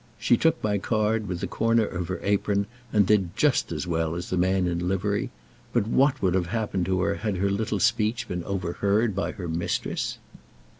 She took my card with the corner of her apron, and did just as well as the man in livery; but what would have happened to her had her little speech been overheard by her mistress?